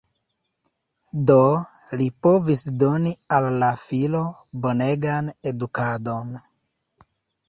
Do, li povis doni al la filo bonegan edukadon.